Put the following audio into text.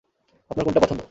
আপনার কোনটা পছন্দ?